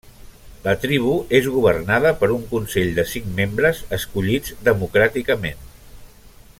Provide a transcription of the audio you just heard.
La tribu és governada per un consell de cinc membres escollits democràticament.